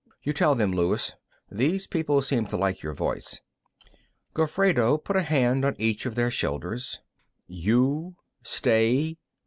You tell them, Luis; these people seem to like your voice." Gofredo put a hand on each of their shoulders. "You ... stay